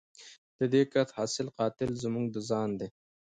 د دې کښت حاصل قاتل زموږ د ځان دی